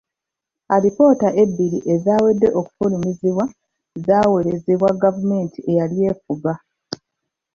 Alipoota ebbiri ezawedde okufulumizibwa zaaweerezebwa gavumenti eyali efuga.